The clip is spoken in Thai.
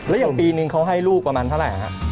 แล้วอย่างปีนึงเขาให้ลูกประมาณเท่าไหร่ครับ